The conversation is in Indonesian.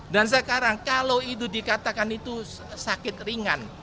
dan sekarang kalau itu dikatakan itu sakit ringan